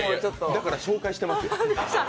だから紹介してますよ。